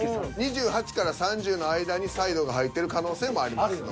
２８３０の間にサイドが入ってる可能性もありますので。